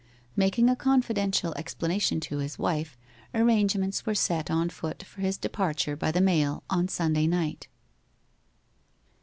Making a confidential explanation to his wife, arrangements were set on foot for his departure by the mail on Sunday night.